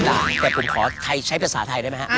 แต่ผมขอใครใช้ภาษาไทยได้มั้ย